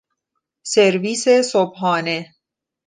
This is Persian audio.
سرویس صبحانه